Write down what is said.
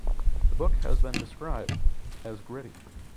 The book has been described as gritty.